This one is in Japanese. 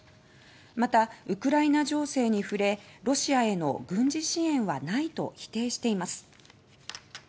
また、ウクライナ情勢に触れロシアへの軍事支援はないと否定しています。